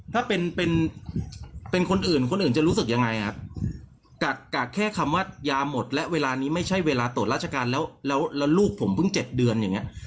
ถ้าเป็นเป็นคนอื่นคนอื่นจะรู้สึกยังไงครับกักแค่คำว่ายาหมดและเวลานี้ไม่ใช่เวลาตรวจราชการแล้วแล้วลูกผมเพิ่ง๗เดือนอย่างนี้